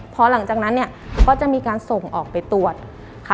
พอหลังจากนั้นเนี่ยก็จะมีการส่งออกไปตรวจค่ะ